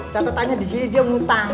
tata tata aja disini dia mutang